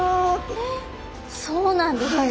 そうなんですか。